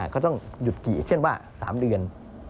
ก็ต้องหยุดกี่เช่นว่า๓เดือน